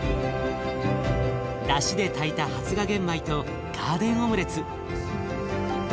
だしで炊いた発芽玄米とガーデンオムレツ。